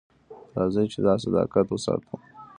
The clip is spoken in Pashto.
راځئ چې دا صداقت وساتو.